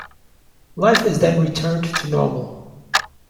Life is then returned to normal.